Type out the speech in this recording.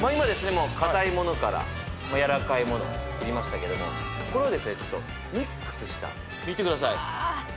もう硬いものからやわらかいもの切りましたけどもこれをですねミックスした見てください